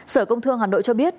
sở công thương hà nội cho biết